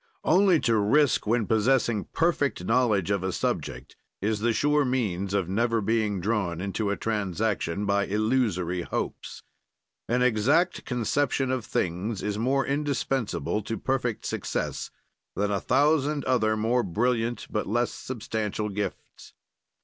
Only to risk when possessing perfect knowledge of a subject is the sure means of never being drawn into a transaction by illusory hopes. An exact conception of things is more indispensable to perfect success than a thousand other more brilliant but less substantial gifts.